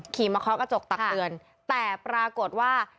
ขี่มาเคาะกระจกตักเตือนแต่ปรากฏว่า